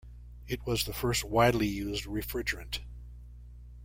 It was the first widely used refrigerant.